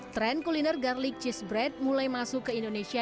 tren kuliner garlic cheese bread mulai masuk ke indonesia